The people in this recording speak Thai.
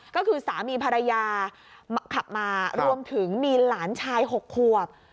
ก็คือสามีภรรยาขับมารวมถึงมีหลานชาย๖ขวบ